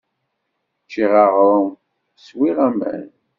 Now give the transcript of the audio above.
Ččiɣ aɣrum, swiɣ aman.